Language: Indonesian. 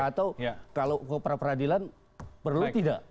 atau kalau ke pra peradilan perlu tidak